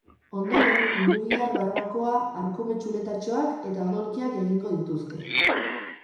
Ondoren, hirugihar barbakoa, arkume txuletatxoak eta odolkiak egingo dituzte.